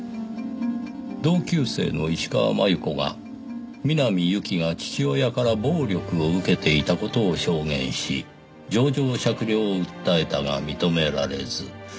「同級生の石川真悠子が南侑希が父親から暴力を受けていた事を証言し情状酌量を訴えたが認められず」